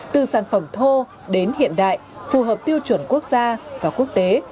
từ sản phẩm thô đến hiện đại phù hợp tiêu chuẩn quốc gia và quốc tế